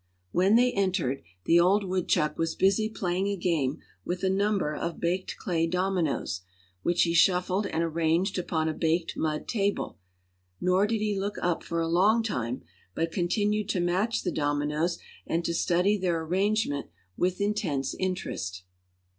When they entered, the old woodchuck was busy playing a game with a number of baked clay dominoes, which he shuffled and arranged upon a baked mud table; nor did he look up for a long time, but continued to match the dominoes and to study their arrangement with intense interest.